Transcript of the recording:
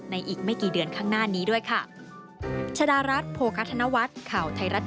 อีกไม่กี่เดือนข้างหน้านี้ด้วยค่ะ